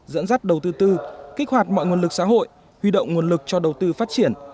dẫn dắt đầu tư tư kích hoạt mọi nguồn lực xã hội huy động nguồn lực cho đầu tư phát triển